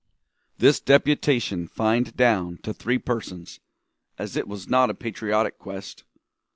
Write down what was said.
This deputation fined down to three persons, as it was not a patriotic quest.